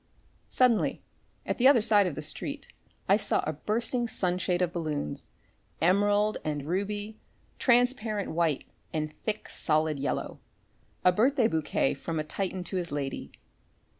Suddenly, at the other side of the street I saw a bursting sunshade of balloons, emerald and ruby, transparent white and thick, solid yellow, a birthday bouquet from a Titan to his lady.